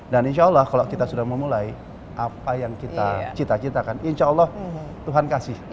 dan insya allah kalau kita sudah memulai apa yang kita cita citakan insya allah tuhan kasih